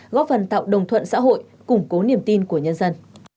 góp phần tạo đồng thuận xã hội củng cố niềm tin của nhân dân